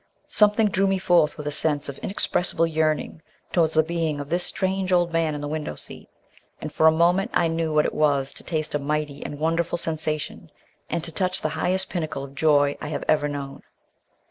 Something drew me forth with a sense of inexpressible yearning towards the being of this strange old man in the window seat, and for a moment I knew what it was to taste a mighty and wonderful sensation, and to touch the highest pinnacle of joy I have ever known.